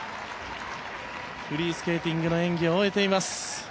フリースケーティングの演技を終えています。